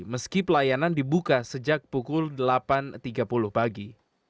meski pelayanan dibuka sejak pukul delapan tiga puluh pagi